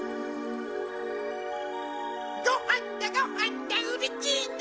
ごはんだごはんだうれしいな！